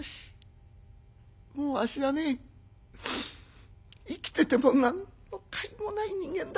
もうあっしはね生きてても何のかいもない人間だ。